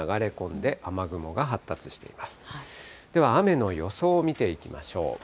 では雨の予想を見ていきましょう。